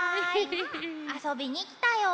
あそびにきたよ。